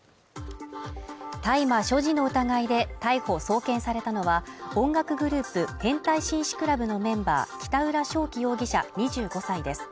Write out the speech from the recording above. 大麻所持の疑いで逮捕送検されたのは音楽グループ変態紳士クラブのメンバー北浦翔暉容疑者２５歳です。